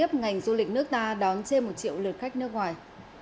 nhiều ngành du lịch nước ta đón chê một triệu lượt khách nước ngoài